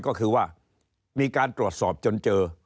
ก็คือว่ามีการตรวจสอบจนเจอ